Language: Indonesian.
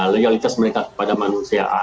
loyalitas mereka kepada manusia